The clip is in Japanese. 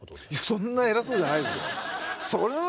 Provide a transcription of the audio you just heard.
そんな偉そうじゃないですよ。